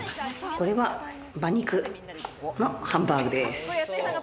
これは馬肉のハンバーグです。